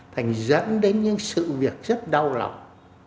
thành dẫn đến những sự việc rất đau lòng